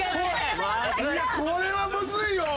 いやこれはむずいよ。